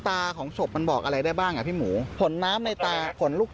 มันมีข้อดีกว่าคือมันจะไม่ถูกรบกวน